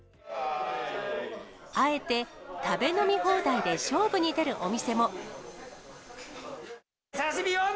あえて食べ飲み放題で勝負に出るお店も。